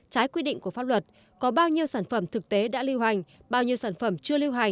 trái quy định của pháp luật có bao nhiêu sản phẩm thực tế đã lưu hành bao nhiêu sản phẩm chưa lưu hành